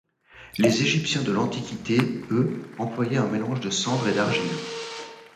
Les Égyptiens de l'Antiquité, eux, employaient un mélange de cendres et d'argile.